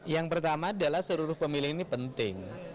yang pertama adalah seluruh pemilih ini penting